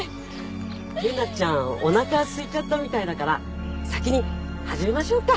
優奈ちゃんおなかすいちゃったみたいだから先に始めましょうか？